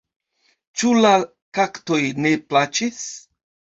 Ĉu la kaktoj ne plaĉis?